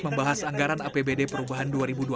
membahas anggaran apbd perubahan dua ribu dua puluh